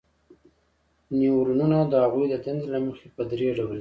نیورونونه د هغوی د دندې له مخې په درې ډوله دي.